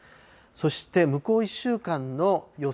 そして向こう１週間の予想